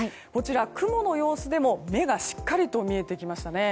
雲の様子でも目がしっかりと見えてきましたね。